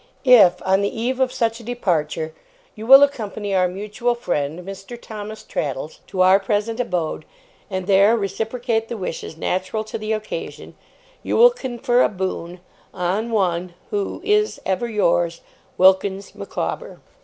If, on the eve of such a departure, you will accompany our mutual friend, Mr. Thomas Traddles, to our present abode, and there reciprocate the wishes natural to the occasion, you will confer a Boon 'On 'One 'Who 'Is 'Ever yours, 'WILKINS MICAWBER.